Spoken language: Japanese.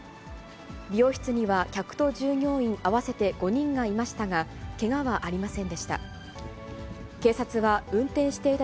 美容室には客と従業員合わせて５人がいましたが、けがはありませんでした。